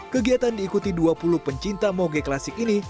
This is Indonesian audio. kegiatan diikuti dua puluh pencinta moge klasik ini